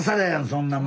そんなん。